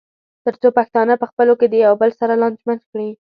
تر څو پښتانه پخپلو کې د یو بل سره لانجمن کړي.